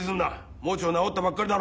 盲腸治ったばっかりだろうが。